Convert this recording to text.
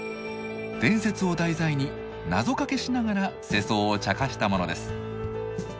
伝説を題材に謎かけしながら世相をちゃかしたものです。